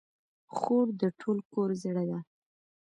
خور د ټول کور زړه ده.